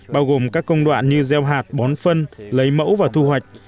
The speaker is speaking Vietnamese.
bao gồm các công đoạn như gieo hạt bón phân lấy mẫu và thu hoạch